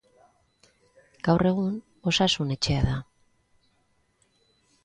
Gaur egun osasun etxea da.